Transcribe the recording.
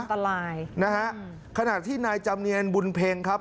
อันตรายนะฮะขณะที่นายจำเนียนบุญเพ็งครับ